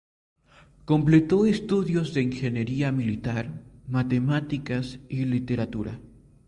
Completó estudios de ingeniería militar, matemáticas y literatura.